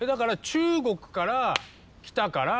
中国から伝わったから。